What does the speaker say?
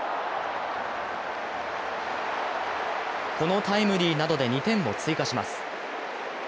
このタイムリーなどで２点を追加します。